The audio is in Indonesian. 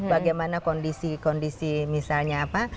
bagaimana kondisi kondisi misalnya apa